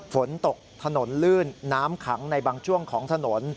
ฝนตกถนนลื่นน้ำขังในบางช่วงของถนน